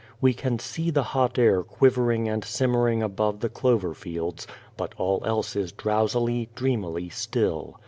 We can see the hot air quivering and simmering above the clover fields, but all else is drowsily, dreamily still.